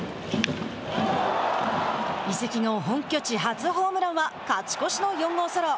移籍後、本拠地初ホームランは勝ち越しの４号ソロ。